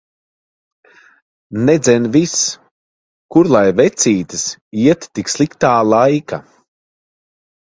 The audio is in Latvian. Nedzen vis! Kur lai vecītis iet tik sliktā laika.